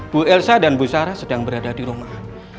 bu elsa dan bu sarah sedang berada di rumah